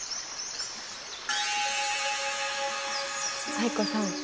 藍子さん